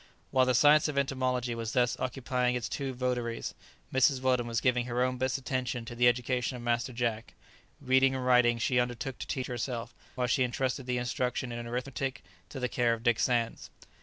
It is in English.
While the science of entomology was thus occupying its two votaries, Mrs. Weldon was giving her own best attention to the education of Master Jack. Reading and writing she undertook to teach herself, while she entrusted the instruction in arithmetic to the care of Dick Sands.